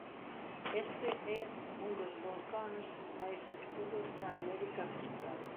Este é un dos volcáns máis activos da América Central.